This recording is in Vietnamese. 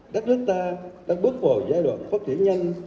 đất nước ta đang bước vào giai đoạn phát triển nhanh